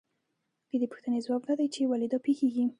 د دې پوښتنې ځواب دا دی چې ولې دا پېښېږي